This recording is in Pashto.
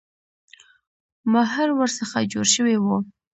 ماهر ورڅخه جوړ شوی وو.